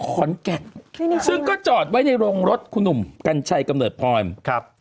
ขอนแก่นซึ่งก็จอดไว้ในโรงรถคุณหนุ่มกัญชัยกำเนิดพรครับ